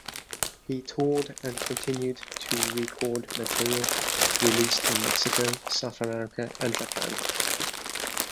He toured and continued to record material released in Mexico, South America, and Japan.